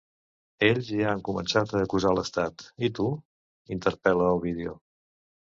Ells ja han començat a acusar l’estat, i tu?, interpel·la el vídeo.